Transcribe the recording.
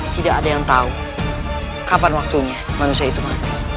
tidak ada yang tahu kapan waktunya manusia itu mati